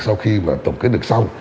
sau khi mà tổng kết được xong